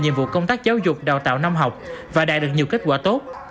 nhiệm vụ công tác giáo dục đào tạo năm học và đạt được nhiều kết quả tốt